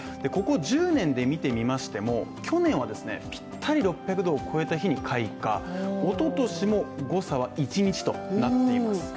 ここ１０年で見てみましても、去年はぴったり６００度を超えた日に開花、おととしも誤差は１日となっています。